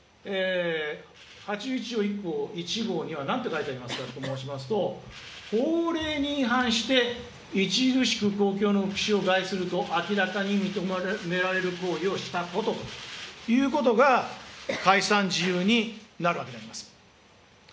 ８１条１項１号にはなんて書いてありますかと申しますと、法令に違反して、著しく公共の福祉を害すると、明らかに認められる行為をしたことということが解散事由になるわけであります。